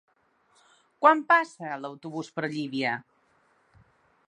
Quan passa l'autobús per Llívia?